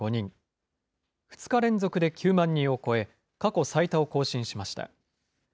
２日連続で９万人を超え、過去最多を更新しました。